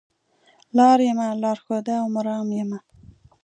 لار یمه لار ښوده او مرام یمه